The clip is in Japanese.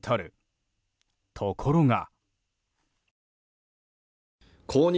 ところが。